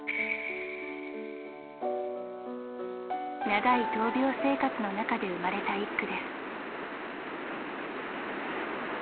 長い闘病生活の中で生まれた一句です。